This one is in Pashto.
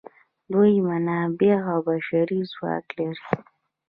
دوی منابع او بشري ځواک لري.